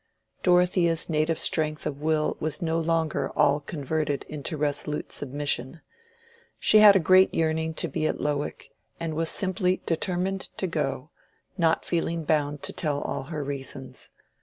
Dorothea's native strength of will was no longer all converted into resolute submission. She had a great yearning to be at Lowick, and was simply determined to go, not feeling bound to tell all her reasons.